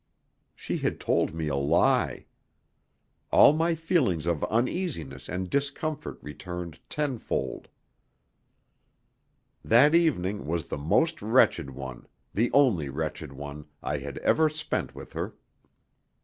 She had told me a lie. All my feelings of uneasiness and discomfort returned tenfold. That evening was the most wretched one, the only wretched one, I had ever spent with her.